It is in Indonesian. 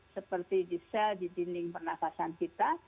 seperti di sel di dinding pernafasan kita